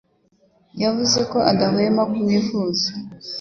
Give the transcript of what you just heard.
yavuze ko adahwema kumwifuza